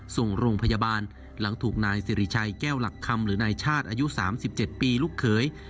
ส่งโรงพยาบาลหลังถูกนายสิริชัยแก้วหลักคำหรือนายชาติอายุ๓๗ปีลูกเขย